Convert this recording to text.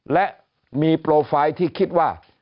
และมีโปรไฟล์ที่คิดว่า